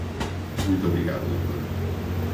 Muito obrigada Doutora.